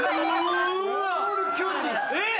えっ！